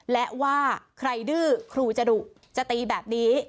และว่าใครดื้อครูจะดุจะตีแบบนี้